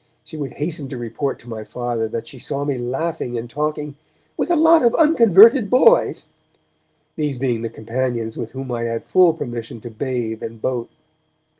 She would hasten to report to my Father that she saw me laughing and talking 'with a lot of unconverted boys', these being the companions with whom I had full permission to bathe and boat.